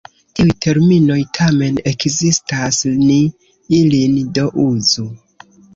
Tiuj terminoj tamen ekzistas, ni ilin do uzu.